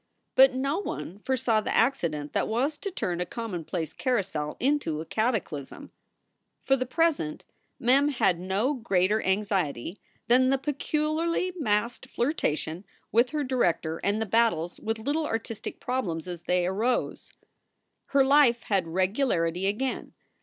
But no one foresaw the accident that was to turn a com monplace carousal into a cataclysm. For the present Mem had no greater anxiety than the peculiarly masked flirtation with her director and the battles with little artistic problems as they arose. Her life had regularity again.